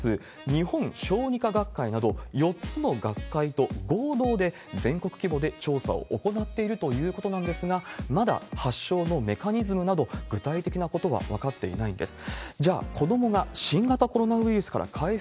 日本小児科学会など、４つの学会と合同で、全国規模で調査を行っているということなんですが、まだ発症のメカニズムなど、具体的なことは分かっていないんです。